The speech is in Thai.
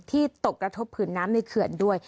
ตกกระทบผืนน้ำในเขื่อนด้วย